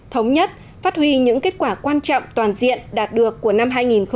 thống nhất phát huy những kết quả quan trọng toàn diện đạt được của năm hai nghìn một mươi chín